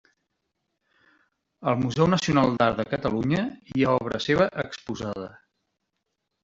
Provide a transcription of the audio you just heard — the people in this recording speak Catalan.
Al Museu Nacional d'Art de Catalunya hi ha obra seva exposada.